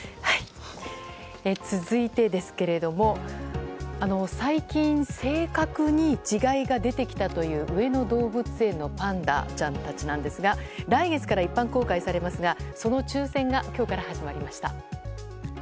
続いてですけれども、最近性格に違いが出てきたという上野動物園のパンダちゃんたちですが来月から一般公開されますがその抽選が今日から始まりました。